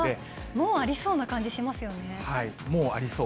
もうありそうな感じしますよもうありそう？